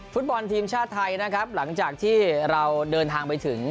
ฟุตบอลทีมชาติไทยนะครับหลังจากที่เราเดินทางไปถึง